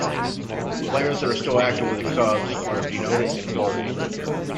Players that are still active with the Cubs are denoted in bold.